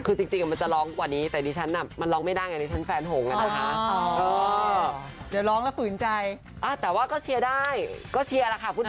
คือจริงมันจะร้องกว่านี้แต่ดิฉันมันร้องไม่ได้ไง